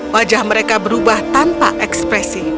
wajah mereka berubah tanpa ekspresi